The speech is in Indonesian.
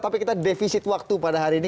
tapi kita defisit waktu pada hari ini